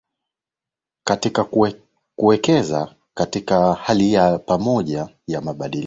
katika kuwekeza katika hali ya pamoja ya mabadiliko